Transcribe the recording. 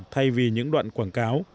thay vì những đoạn quảng cáo